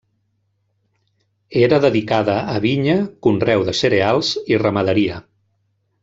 Era dedicada a vinya, conreu de cereals i ramaderia.